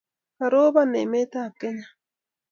Karoban emet ab Kenya